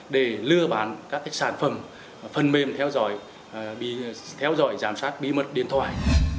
để lừa bán các sản phẩm phần mềm theo dõi giám sát bí mật điện thoại